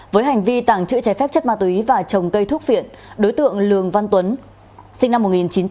với hành vi tàng trữ trái phép chất ma túy và trồng cây thuốc phiện đối tượng lường văn tuấn sinh năm một nghìn chín trăm tám mươi